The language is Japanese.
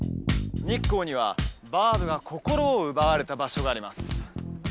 日光にはバードが心を奪われた場所があります